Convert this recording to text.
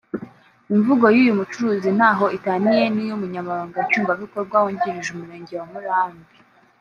Imvugo y’uyu mucuruzi ntaho itaniye niy’Umunyamabanga Nshingwabikorwa wungirije w’umurenge wa Murambi